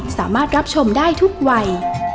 สามารถรับชมได้ทุกวัย